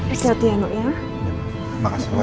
iya bu jangan ramaaf sekali ya